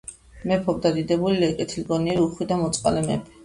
მეფობდა დიდებული, კეთილგონიერი, უხვი და მოწყალე მეფე.